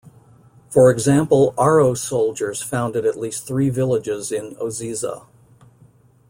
For example, Aro soldiers founded at least three villages in Ozizza.